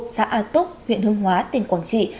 xã a túc huyện hương hóa tỉnh quảng trị